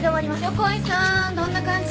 横井さんどんな感じ？